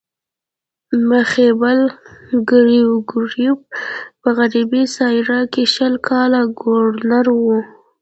میخایل ګریګورویوف په غربي سایبیریا کې شل کاله ګورنر وو.